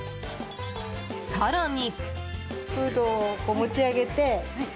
更に。